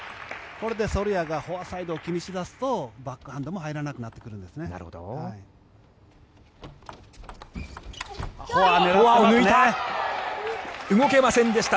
これでソルヤがフォアサイドを気にし出すとバックハンドも入らなくなってくるんですね。